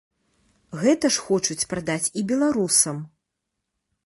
Гэта ж хочуць прадаць і беларусам.